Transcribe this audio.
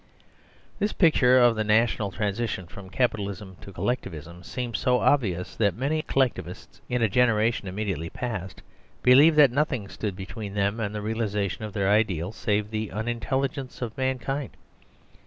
This picture of the natural transition from Capi talism to Collectivism seems so obvious that many Collectivists in a generation immediately past believ ed that nothing stood between them and the realisa THE SERVILE STATE tion of their ideal save the unintelligence of mankind.